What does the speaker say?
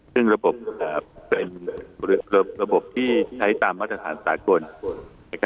ซึ่งระบบเป็นระบบที่ใช้ตามมาตรฐานสากล